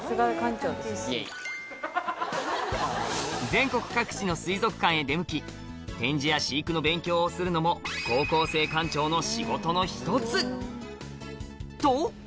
全国各地の水族館へ出向き展示や飼育の勉強をするのもの１つと！